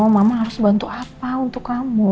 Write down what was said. mama harus bantu apa untuk kamu